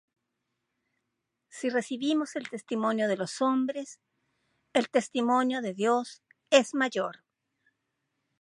Si recibimos el testimonio de los hombres, el testimonio de Dios es mayor;